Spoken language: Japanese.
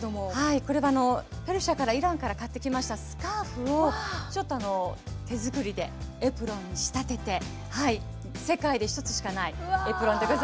これはペルシャからイランから買ってきましたスカーフをちょっと手作りでエプロンに仕立てて世界で一つしかないエプロンでございます。